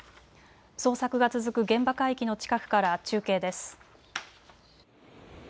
捜索が続く現場海域の近くから中継です。